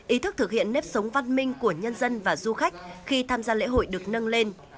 ý thức thực hiện nếp sống văn minh của nhân dân và du khách khi tham gia lễ hội được nâng lên